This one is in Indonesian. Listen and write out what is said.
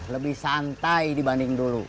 lebih santai dibanding dulu